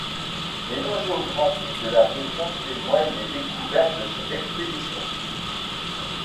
Les noms géographiques de la région témoignent des découvertes de cette expédition.